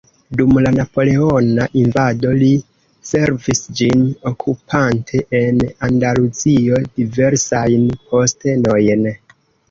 Dum la napoleona invado li servis ĝin okupante en Andaluzio diversajn postenojn.